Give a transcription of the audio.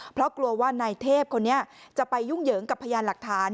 เพราะกลัวว่านายเทพคนนี้จะไปยุ่งเหยิงกับพยานหลักฐาน